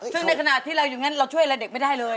ซึ่งในขณะที่เราอย่างนั้นเราช่วยอะไรเด็กไม่ได้เลย